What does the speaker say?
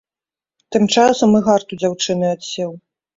Тым часам і гарт у дзяўчыны адсеў.